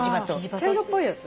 茶色っぽいやつ？